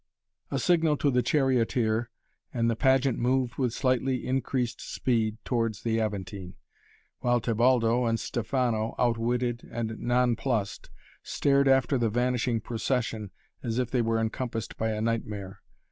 A signal to the charioteer and the pageant moved with slightly increased speed towards the Aventine, while Tebaldo and Stefano, out witted and non plussed, stared after the vanishing procession as if they were encompassed by a nightmare.